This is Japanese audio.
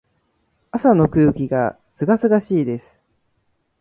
朝の空気が清々しいです。